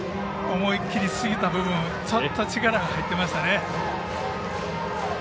思い切りすぎた分ちょっと力が入ってましたね。